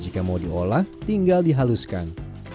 jika mau diolah tinggal dihaluskan